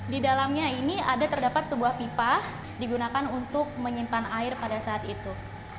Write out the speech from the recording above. di dalamnya ini ada terdapat sebuah pipa digunakan untuk menyimpan air pada saat itu